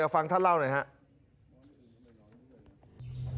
ฟังท่านเล่าหน่อยครับ